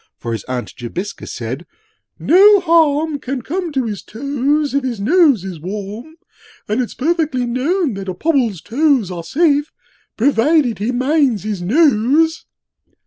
For his Aunt Jobiska said, 'No harm 'Can come to his toes if his nose is warm; 'And it's perfectly known that a Pobble's toes 'Are safe, provided he minds his nose.'